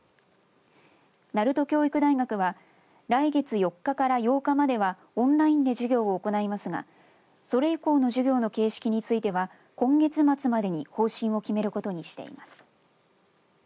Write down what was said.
鳴門教育大学は来月４日から８日まではオンラインで授業を行いますがそれ以降の授業の形式については今月末までに方針を決めることにしています。